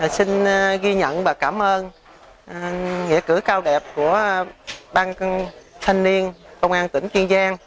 xin ghi nhận và cảm ơn nghĩa cử cao đẹp của ban thanh niên công an tỉnh kiên giang